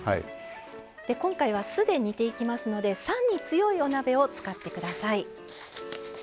今回は酢で煮ていきますので酸に強いお鍋を使って下さい。